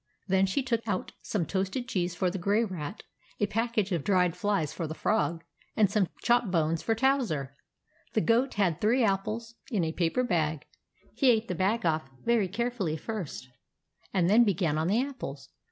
Then she took out some toasted cheese for the Grey Rat, a package of dried flies for the Frog, and some chop bones for Towser. The Goat had three apples in a paper bag. He ate the bag off very carefully first, and then began on the apples.